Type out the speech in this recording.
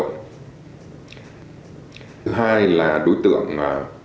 thứ hai là đối tượng